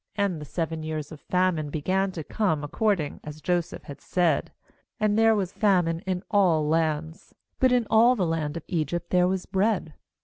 MAnd the seven years of famine began to come, according as Joseph had said; and there was famine in all lands; but ha all the land of Egypt there was bread.